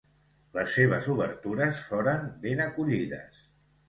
Les seves obertures foren ben acollides.